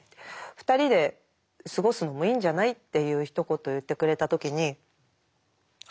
「２人で過ごすのもいいんじゃない」っていうひと言を言ってくれた時に「はっ！」と思って。